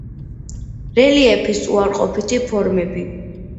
რელიეფის უარყოფითი ფორმები.